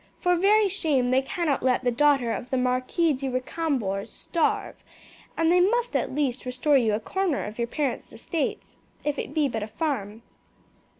For very shame they cannot let the daughter of the Marquis de Recambours starve, and they must at least restore you a corner of your parents estates, if it be but a farm.